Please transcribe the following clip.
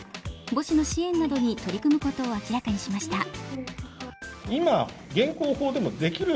母子の支援などに取り込むことを明らかにしました。